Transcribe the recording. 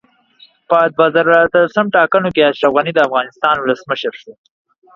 په دوه زره اتلسم ټاکنو کې اشرف غني دا افغانستان اولسمشر شو